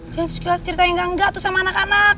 jangan sekilas ceritanya gangga sama anak anak